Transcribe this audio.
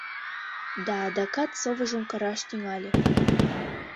Да адакат совыжым кыраш тӱҥале.